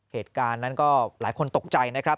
เหตุการณ์นั้นก็หลายคนตกใจนะครับ